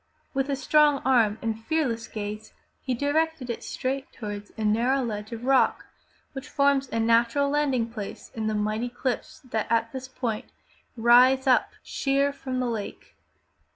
With a strong arm and fearless gaze he directed it straight toward a narrow ledge of rock which forms a natural landing place in the mighty cliffs that at this point rise up sheer from the lake.